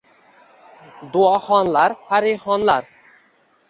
Duoxonlar, parixonlar